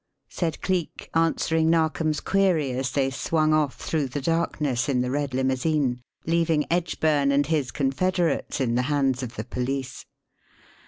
said Cleek, answering Narkom's query, as they swung off through the darkness in the red limousine, leaving Edgburn and his confederates in the hands of the police.